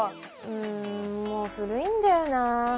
んもう古いんだよな。